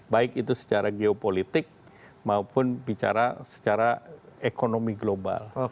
baik itu secara geopolitik maupun bicara secara ekonomi global